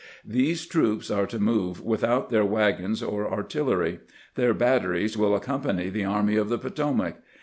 These troops are to move without their wagons or artil lery. Their batteries will accompany the Army of the Potomac.